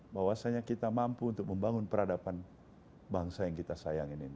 bahwasanya kita mampu untuk membangun perusahaan kita yang lebih baik dan lebih baik dari negara lainnya